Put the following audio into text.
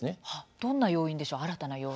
どんな要因でしょうか。